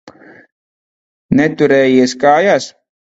Neturējies kājās.